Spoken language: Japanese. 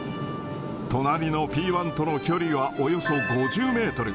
隣のＰー１との距離はおよそ５０メートル。